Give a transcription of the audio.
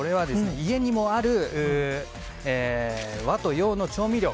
家にもある和と洋の調味料。